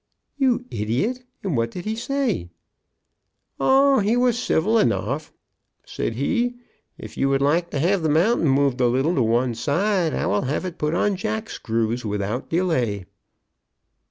"You idiot! And what did he say?" "Oh, he was civil enough; said he, 'If you would like to have the mountain moved a little to one side I will have it put on jackscrews without delay."